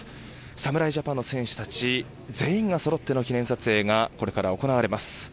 侍ジャパンの選手たち全員がそろっての記念撮影がこれから行われます。